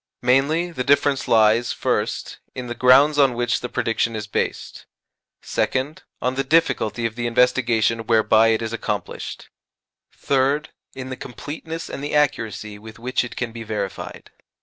Mainly, the difference lies, first, in the grounds on which the prediction is based; second, on the difficulty of the investigation whereby it is accomplished; third, in the completeness and the accuracy with which it can be verified.